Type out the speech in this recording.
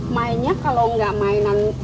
mainnya kalau gak mainan hp dia itu nonton tv